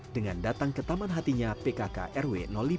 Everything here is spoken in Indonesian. dengan datang ke taman hatinya pkk rw lima